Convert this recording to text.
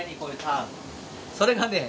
それがね